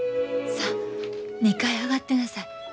さあ２階へ上がってなさい。